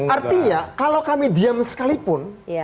artinya kalau kami diam sekalipun